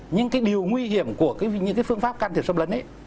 nhưng cái điều nguy hiểm của những phương pháp can thiệp xâm lấn